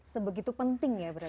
sebegitu penting ya berarti